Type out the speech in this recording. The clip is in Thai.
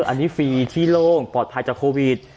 อันนี้ฟรีที่โล่งปลอดภัยจากโควิด